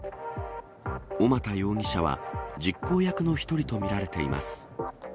小俣容疑者は実行役の１人と見られています。